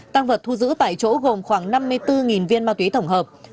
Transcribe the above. tăng vật thu giữ tại chỗ gồm khoảng năm mươi bốn viên ma túy tổng hợp